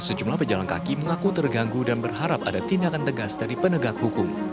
sejumlah pejalan kaki mengaku terganggu dan berharap ada tindakan tegas dari penegak hukum